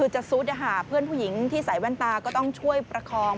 จะซุ๊ตหระหาเพื่อนผู้หญิงใส่ว่านตาก็ต้องช่วยประคอง